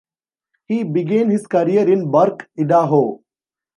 He began his career in Burke, Idaho.